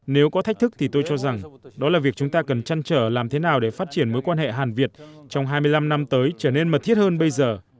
nếu có thách thức thì tôi cho rằng đó là việc chúng ta cần chăn trở làm thế nào để phát triển mối quan hệ hàn việt trong hai mươi năm năm tới trở nên mật thiết hơn bây giờ